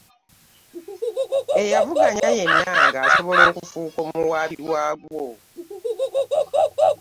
Eyavuganya yenna ng'asobola okufuuka omuwaabi waagwo